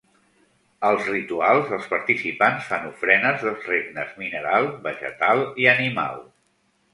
Als rituals, els participants fan ofrenes dels regnes mineral, vegetal i animal.